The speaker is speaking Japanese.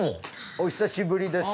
お久しぶりです。